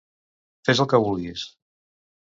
Fes el que vulguis.